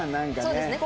そうですね。